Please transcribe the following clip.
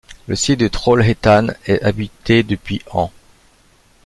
Le site de Trollhättan est habité depuis ans.